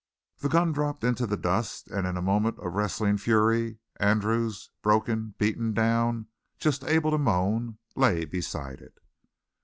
The gun dropped into the dust; and in a moment of wrestling fury Andrews, broken, beaten down, just able to moan, lay beside it.